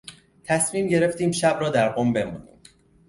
تصمیم گرفتیم شب را در قم بمانیم.